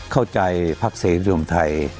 เข้าใจพรรคเศรษฐรมไทย